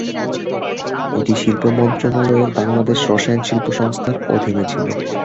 এটি শিল্প মন্ত্রণালয়ের বাংলাদেশ রসায়ন শিল্প সংস্থার অধীনে ছিল।